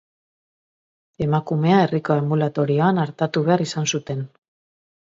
Emakumea herriko anbulatorioan artatu behar izan zuten.